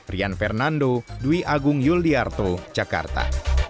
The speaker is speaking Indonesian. rian fernando dwi agung yul di arto jakarta